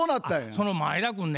その前田君ね